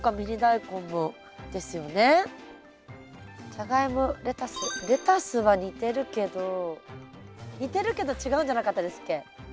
ジャガイモレタスレタスは似てるけど似てるけど違うんじゃなかったですっけ？